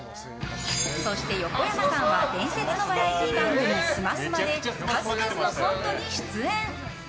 そして、横山さんは伝説のバラエティー番組「スマスマ」で数々のコントに出演。